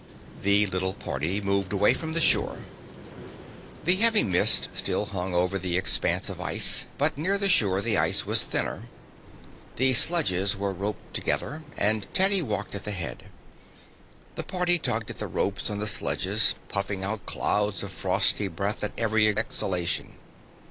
The little party moved away from the shore. The heavy mist still hung over the expanse of ice, but near the shore the ice was thinner. The sledges were roped together, and Teddy walked at the head. The party tugged at the ropes on the sledges, puffing out clouds of frosty breath at every exhalation.